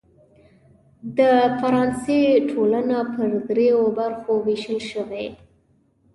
د فرانسې ټولنه پر دریوو برخو وېشل شوې وه.